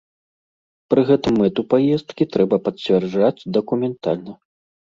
Пры гэтым мэту паездкі трэба пацвярджаць дакументальна.